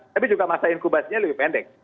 tapi juga masa inkubasinya lebih pendek